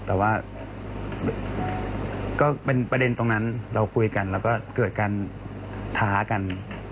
แต่ว่าก็เป็นประเด็นตรงนั้นเราคุยกันแล้วก็เกิดการท้ากัน